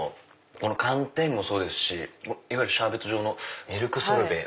この寒天もそうですしシャーベット状のミルクソルベ。